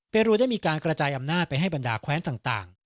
รวยได้มีการกระจายอำนาจไปให้บรรดาแคว้นต่าง